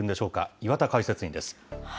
岩田解説委員です。